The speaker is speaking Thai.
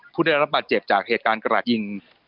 ผู้ได้รับบาดเจ็บจากเหตุการณ์กระดาษยิง